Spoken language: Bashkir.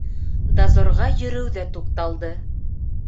Дозорға йөрөү ҙә туҡталды.